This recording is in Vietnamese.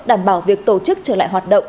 đảm bảo việc tổ chức trở lại hoạt động